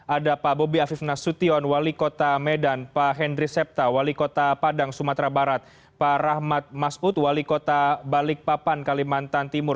ada pak bobi afif nasution wali kota medan pak henry septa wali kota padang sumatera barat pak rahmat masput wali kota balikpapan kalimantan timur